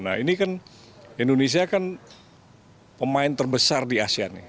nah ini kan indonesia kan pemain terbesar di asean nih